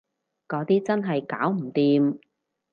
嗰啲真係搞唔掂